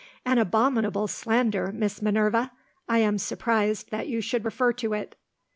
"An abominable slander, Miss Minerva! I am surprised that you should refer to it."